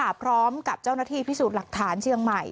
พร้อมกับเจ้าหน้าที่พิสูจน์หลักฐานเชียงใหม่